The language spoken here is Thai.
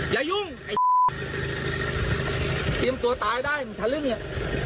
อย่ายุ่งไอ้เตรียมตัวตายได้มึงทะลึ่งเนี่ย